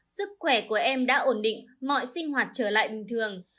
sức khỏe của em đã ổn định mọi sinh hoạt trở lại bình thường